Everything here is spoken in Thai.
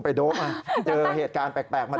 ไปโดบเจอเหตุการณ์แปลก